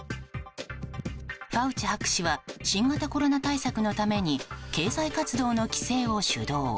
ファウチ博士は新型コロナ対策のために経済活動の規制を主導。